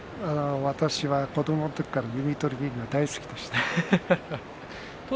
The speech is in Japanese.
私は子どものころから弓取りを見るのが大好きでした。